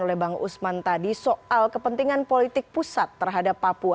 oleh bang usman tadi soal kepentingan politik pusat terhadap papua